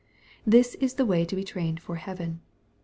This is the way to be trained for heaven.